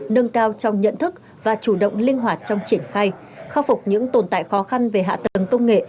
nâng cao trong nhận thức và chủ động linh hoạt trong triển khai khắc phục những tồn tại khó khăn về hạ tầng công nghệ